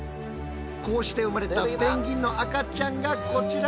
こうして生まれたペンギンの赤ちゃんがこちら！